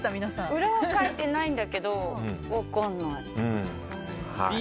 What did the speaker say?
裏はかいてないんだけど分かんない。